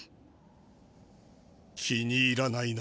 気に入らないな。